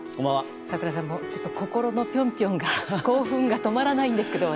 櫻井さん、心のぴょんぴょんが興奮が止まらないんですけど。